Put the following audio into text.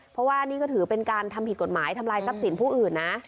เพราะว่านี่ก็ถือเป็นการทำผิดกฎหมายทำลายทรัพย์สินผู้อื่นนะ